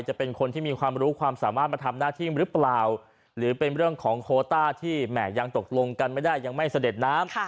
จะเป็นคนที่มีความรู้ความสามารถมาทำหน้าที่หรือเปล่าหรือเป็นเรื่องของโคต้าที่แหม่ยังตกลงกันไม่ได้ยังไม่เสด็จน้ำ